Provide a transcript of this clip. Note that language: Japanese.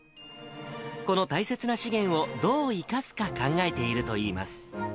この大切な資源をどう生かすか考えているといいます。